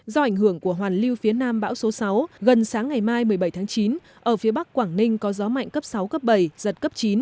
do ảnh hưởng của hoàn lưu phía nam bão số sáu gần sáng ngày mai một mươi bảy tháng chín ở phía bắc quảng ninh có gió mạnh cấp sáu cấp bảy giật cấp chín